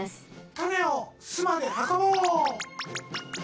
たねをすまではこぼう！